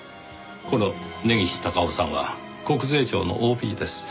この根岸隆雄さんは国税庁のＯＢです。